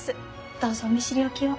どうぞお見知りおきを。